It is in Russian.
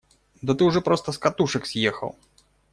Да ты уже просто с катушек съехал!